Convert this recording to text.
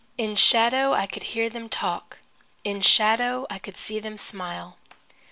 In shadow, I could hear them talk. In shadow, I could see them smile.